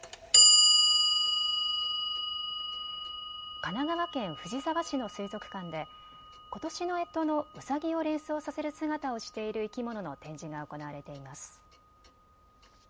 神奈川県藤沢市の水族館でことしのえとのうさぎを連想させる姿をしている生き物の展示が行われています。